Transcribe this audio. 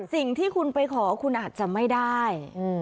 สิ่งที่คุณไปขอคุณอาจจะไม่ได้